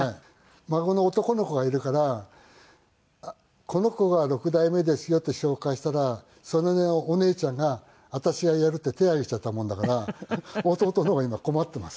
孫の男の子がいるからこの子が６代目ですよって紹介したらそのねお姉ちゃんが私がやるって手挙げちゃったもんだから弟の方が今困っています。